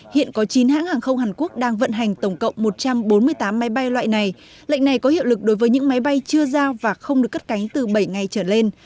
hiện có chín hãng hàng không hàn quốc đang vận hành tổng cộng một trăm bốn mươi tám máy bay loại này lệnh này có hiệu lực đối với những máy bay chưa giao và không được cất cánh từ bảy ngày trở lên